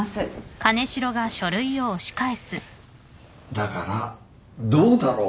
だからどうだろう？